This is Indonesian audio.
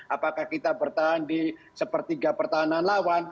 apakah kita bertahan di sepertiga pertahanan lawan